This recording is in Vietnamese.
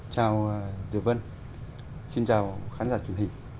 chào dược vân xin chào khán giả truyền hình